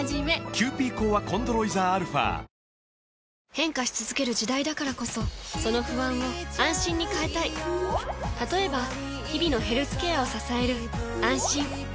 変化し続ける時代だからこそその不安を「あんしん」に変えたい例えば日々のヘルスケアを支える「あんしん」